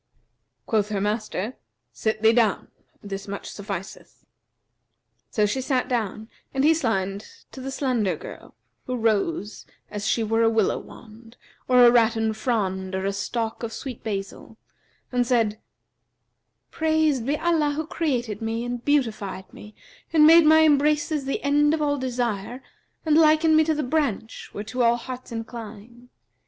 Quoth her master, 'Sit thee down: this much sufficeth.' So she sat down and he signed to the slender girl, who rose, as she were a willow wand, or a rattan frond or a stalk of sweet basil, and said: 'Praised be Allah who created me and beautified me and made my embraces the end of all desire and likened me to the branch, whereto all hearts incline.